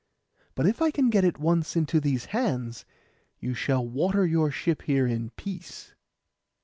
But if I can get it once into these hands, you shall water your ship here in peace.